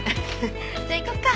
じゃあ行こうか。